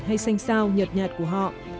hay xanh sao nhật nhạt của họ